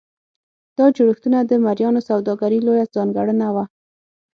دا جوړښتونه د مریانو سوداګري لویه ځانګړنه وه.